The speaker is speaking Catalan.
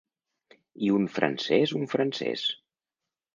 I un francès un francès.